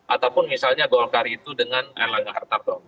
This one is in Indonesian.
ataupun misalnya golkar itu dengan erlangga hartarto